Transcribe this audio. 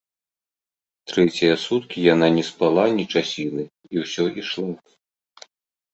Трэція суткі яна не спала ні часіны і ўсё ішла.